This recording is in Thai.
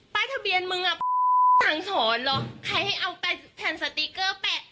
ทะเบียนมึงอ่ะสั่งสอนเหรอใครให้เอาแผ่นสติ๊กเกอร์แปะ